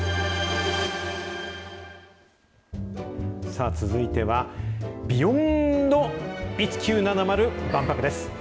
さあ、続いては、Ｂｅｙｏｎｄ１９７０万博です。